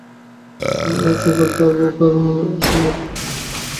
সেই ঘরটার মধ্যে বোবা একটা শূন্যতা।